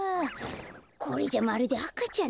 これじゃまるであかちゃんだよ。